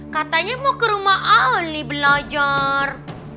katanya mau ke rumah ari belajar